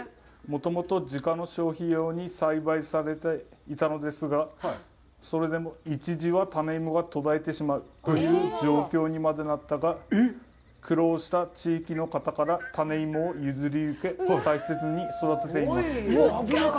もともと自家の消費用に栽培されていたのですが、それでも一時は種芋が途絶えてしまうという状況にまでなったが、苦労した地域の方から種芋を譲り受け、大切に育てています。